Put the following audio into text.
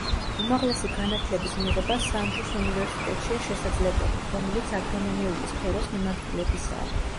უმაღლესი განათლების მიღება სანჯუს უნივერსიტეტშია შესაძლებელი, რომელიც აგრონომიული სფეროს მიმართულებისაა.